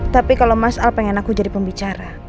tapi kalau mas al pengen aku jadi pembicara